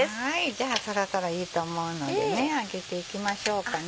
じゃあそろそろいいと思うので上げていきましょうかね。